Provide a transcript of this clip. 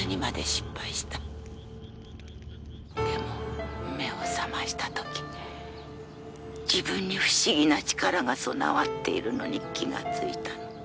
でも目を覚ました時自分に不思議な力が備わっているのに気がついたの。